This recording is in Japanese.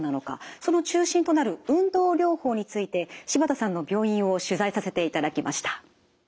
その中心となる運動療法について柴田さんの病院を取材させていただきました。